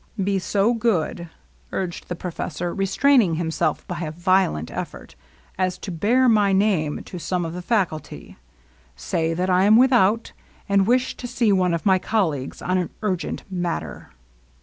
"Be so good," urged the professor, restraining himself by a violent effort, " as to bear my name to LOVELINESS. 81 some of the faculty. Say that I am without^ and wish to see one of my colleagues on an urgent matter."